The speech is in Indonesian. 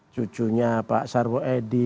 cucunya pak sarwo edi